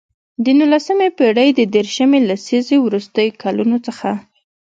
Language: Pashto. د نولسمې پېړۍ د دیرشمې لسیزې وروستیو کلونو څخه.